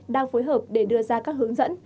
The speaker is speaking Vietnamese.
đang phối hợp để đưa ra các hướng dẫn